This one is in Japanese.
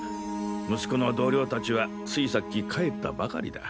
息子の同僚たちはついさっき帰ったばかりだ。